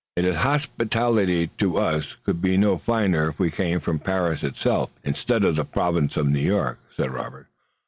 "Its hospitality to us could be no finer if we came from Paris itself, instead of the Province of New York," said Robert.